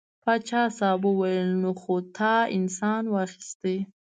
پاچا صاحب وویل نو خو تا انسان واخیست.